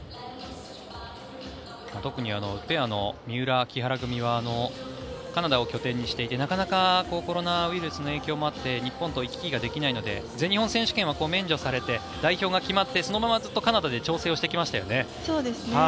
特にペアの三浦・木原組はカナダを拠点にしていてなかなかコロナウイルスの影響もあって日本と行き来ができないので全日本選手権は免除されて代表が決まってそのままずっとカナダで調整してきましたよね。